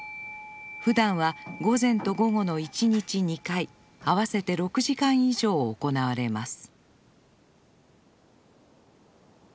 ふだんは午前と午後の一日２回合わせて６時間以上行われます。